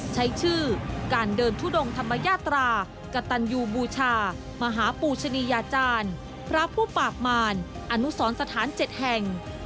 ใช้ชื่อการเดินทุดงธรรมญาตรากระตันยูบูชามหาปูชนียาจารย์พระผู้ปากมารอนุสรสถาน๗แห่ง